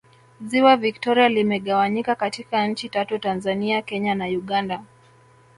Ziwa Victoria limegawanyika katika Nchi tatu Tanzania Kenya na Uganda